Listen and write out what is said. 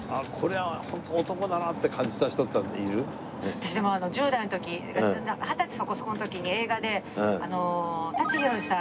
私でも１０代の時二十歳そこそこの時に映画で舘ひろしさん